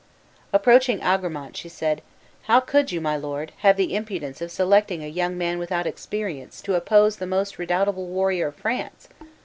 Approaching Agramant, she said, "How could you, my lord, have the imprudence of selecting a young man without experience to oppose the most redoubtable warrior of France?